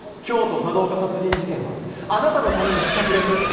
「京都茶道家殺人事件」はあなたのための企画です。